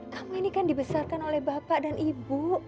kamu ini kan dibesarkan oleh bapak dan ibu